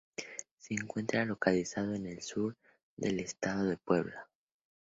Se encuentra localizado en el sur del estado de Puebla.